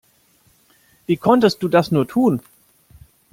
Wie konntest du das nur tun?